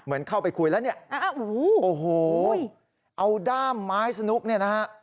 เหมือนเข้าไปคุยแล้วเนี่ยโอ้โหเอาด้ามไม้สนุกเนี่ยนะฮะ